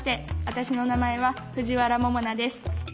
私の名前は藤原ももなです。